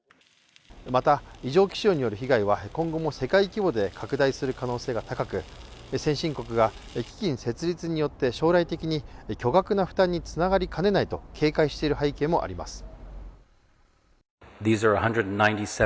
また異常気象による被害は今後も世界規模で拡大する可能性が高く、先進国が基金設立によって将来的に巨額な負担につながりかねないと警戒している背景もあります。